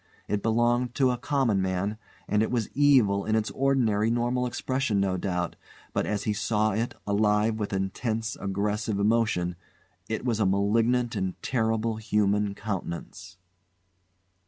It belonged to a common man, and it was evil in its ordinary normal expression, no doubt, but as he saw it, alive with intense, aggressive emotion, it was a malignant and terrible human countenance.